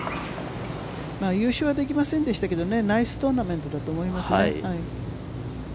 優勝はできませんでしたけど、ナイストーナメントだと思いますね。